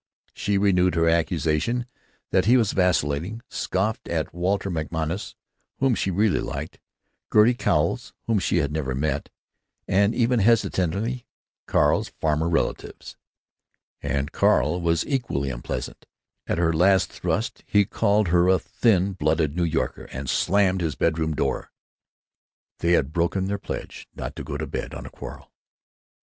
She renewed her accusation that he was vacillating; scoffed at Walter MacMonnies (whom she really liked), Gertie Cowles (whom she had never met), and even, hesitatingly, Carl's farmer relatives. And Carl was equally unpleasant. At her last thrust he called her a thin blooded New Yorker and slammed his bedroom door. They had broken their pledge not to go to bed on a quarrel.